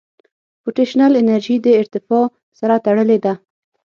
پټنشل انرژي د ارتفاع سره تړلې ده.